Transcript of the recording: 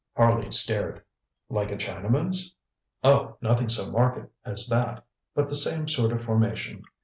ŌĆØ Harley stared. ŌĆ£Like a Chinaman's? ŌĆØ ŌĆ£Oh, nothing so marked as that. But the same sort of formation.